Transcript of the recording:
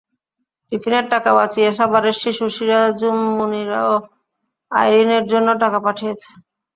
টিফিনের টাকা বাঁচিয়ে সাভারের শিশু সিরাজুম মুনিরাও আইরিনের জন্য টাকা পাঠিয়েছে।